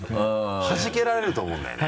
はじけられると思うんだよね。